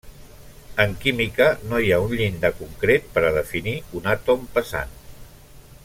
En química, no hi ha un llindar concret per a definir un àtom pesant.